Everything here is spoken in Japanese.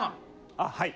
ああはい。